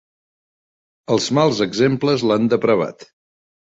Els mals exemples l'han depravat.